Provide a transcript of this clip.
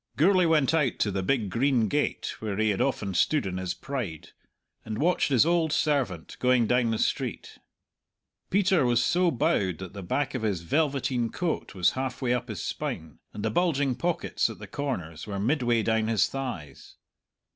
Gourlay went out to the big green gate where he had often stood in his pride, and watched his old servant going down the street. Peter was so bowed that the back of his velveteen coat was halfway up his spine, and the bulging pockets at the corners were midway down his thighs.